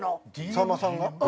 さんまさんが？